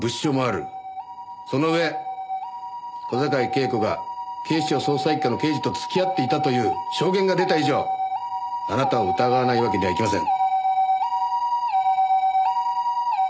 そのうえ小坂井恵子が警視庁捜査一課の刑事と付き合っていたという証言が出た以上あなたを疑わないわけにはいきません。